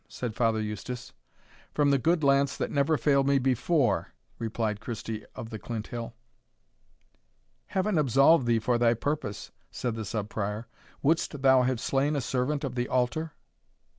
said Father Eustace. "From the good lance that never failed me before," replied Christie of the Clinthill. "Heaven absolve thee for thy purpose!" said the Sub Prior; "wouldst thou have slain a servant of the altar?"